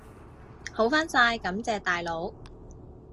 好返晒，感謝大佬！